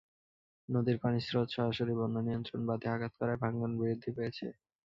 নদীর পানির স্রোত সরাসরি বন্যানিয়ন্ত্রণ বাঁধে আঘাত করায় ভাঙন বৃদ্ধি পেয়েছে।